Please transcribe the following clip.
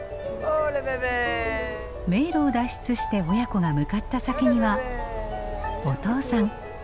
迷路を脱出して親子が向かった先にはお父さん。